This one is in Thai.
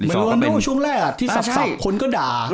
อเจมส์ลวนโนช่วงแรกที่สับคนก็ด่า